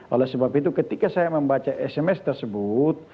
oleh sebab itu ketika saya membaca sms tersebut